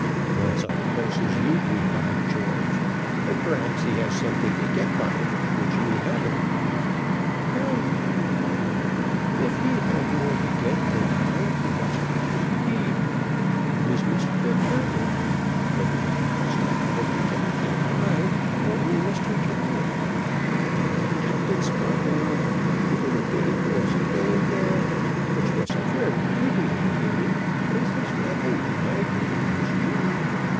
"Not so close as you do, by George; and perhaps he has something to get by it, which you haven't." "Come, come, come! If he have more to get than I he mush be pretty deep. There is Mishter Tyrrwhit. No one have more to get than I, only Mishter Tyrrwhit. Vy, Captain Scarborough, the little game you wash playing there, which wash a very pretty little game, is as nothing to my game wish you.